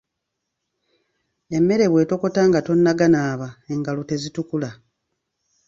Emmere bw’etokota nga tonnaganaaba engalo tezitukula.